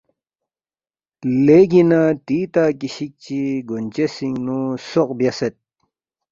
لیگی نہ تیتا کشک چی گونچسینگنو سوق بیاسید